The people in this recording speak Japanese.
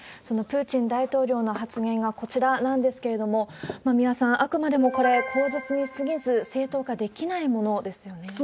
そのプーチン大統領の発言がこちらなんですけれども、三輪さん、あくまでもこれ、口実にすぎず、正当化できないものですよね。